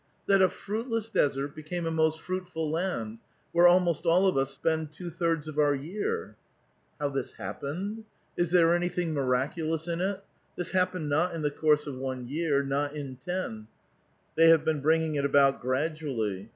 *' That a fruitless desert became a most fruitful land, where almost all of us spend two thirds of our year." *' How this happened? Is there anything miraculous in it? This happened not in the course of one year, not In ten ; they have been bringing it about gradually'.